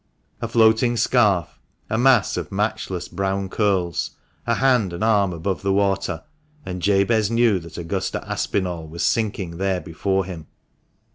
A floating scarf, a mass of matchless brown curls, a hand and arm above the water, and Jabez knew that Augusta Aspinall was sinking there before him.